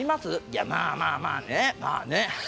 いやまあまあまあねまあね。